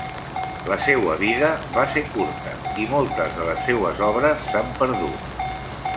La seua vida va ser curta i moltes de les seues obres s'han perdut.